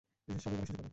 সবাই বলার সুযোগ পাবে!